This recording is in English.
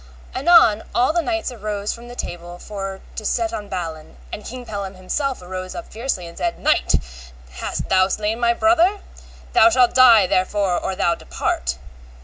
Anon all the knights arose from the table for to set on Balin, and King Pellam himself arose up fiercely, and said, Knight, hast thou slain my brother? thou shalt die therefore or thou depart.